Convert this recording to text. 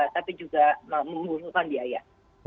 tapi juga menguruskan biaya